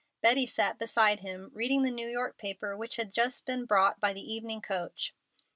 Betty sat beside him, reading the New York paper which had just been brought by the evening coach.